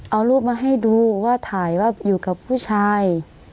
เอารูปมาให้ดูว่าถ่ายว่าอยู่กับผู้ชาย